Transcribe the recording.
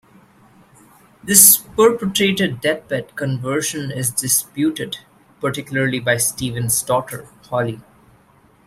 This purported deathbed conversion is disputed, particularly by Stevens's daughter, Holly.